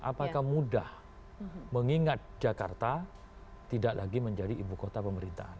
apakah mudah mengingat jakarta tidak lagi menjadi ibu kota pemerintahan